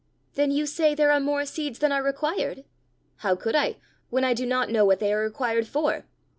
"Then you say there are more seeds than are required?" "How could I, when I do not know what they are required for?